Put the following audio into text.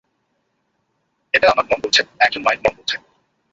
এটা আমার মন বলছে, একজন মায়ের মন বলছে।